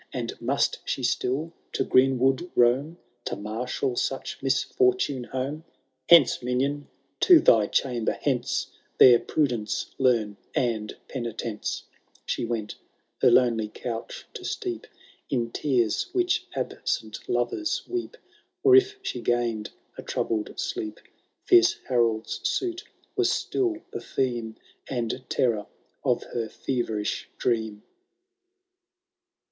And must she still to greenwood roam. To marshal such misfortune home ?'* Hence, minion — ^to thy chamber hence— There prudence learn, and penitence/* She went — her lonely couch to steep In tears which absent lovers weep ; Or if she gained a troubled sleep. Fierce Harolds suit was still the theme And terror of her feverish dream.